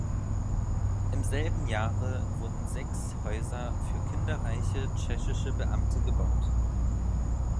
Im selben Jahre wurden sechs Häuser für kinderreiche tschechische Beamte gebaut.